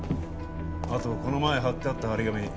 あとこの前貼ってあった貼り紙